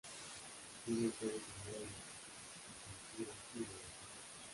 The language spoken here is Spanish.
Tiene sedes en Dallas, Chiquinquirá, y Bogotá.